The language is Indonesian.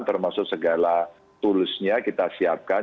termasuk segala tools nya kita siapkan